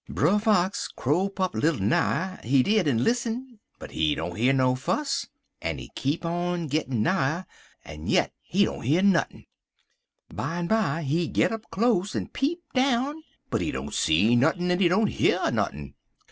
"Brer Fox crope up little nigher, he did, en lissen, but he don't year no fuss, en he keep on gittin' nigher, en yit he don't year nuthin'. Bimeby he git up close en peep down, but he don't see nuthin' en he don't year nuthin'.